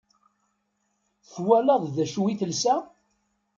Twalaḍ d acu i telsa?